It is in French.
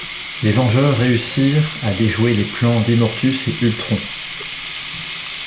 Les Vengeurs réussirent à déjouer les plans d'Immortus et Ultron.